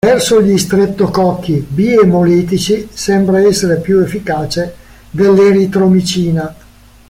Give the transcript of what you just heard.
Verso gli streptococchi b-emolitici sembra essere più efficace dell'eritromicina.